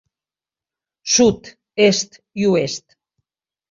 Sud, Est i Oest.